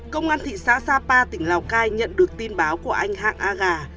công an thị xã sapa tỉnh lào cai nhận được tin báo của anh hạng a gà